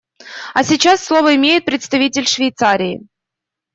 А сейчас слово имеет представитель Швейцарии.